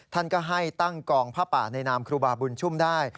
ท่านก็ให้ตั้งกองผ้าป่าในนามครูบาบุญชุ่มได้